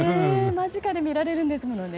間近で見られるんですもんね。